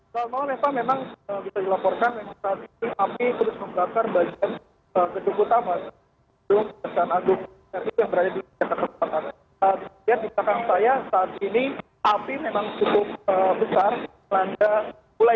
soal malam memang bisa dilaporkan memang saat ini api terus membakar bagian kecukupan